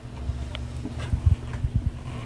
Este problema se resuelve con el sombreado de Phong.